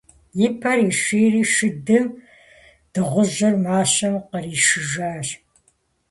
И пэр ишийри, шыдым дыгъужьыр мащэм къришыжащ.